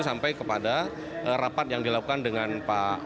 sampai kepada rapat yang dilakukan dengan pak wakil pengadilan